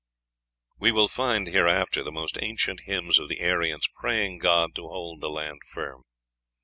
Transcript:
We will find hereafter the most ancient hymns of the Aryans praying God to hold the land firm.